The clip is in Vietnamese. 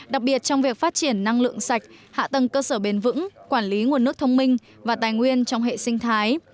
đặc biệt trong việc phát triển năng lượng sạch hạ tầng cơ sở bền vững quản lý nguồn nước thông minh và tài nguyên trong hệ sinh thái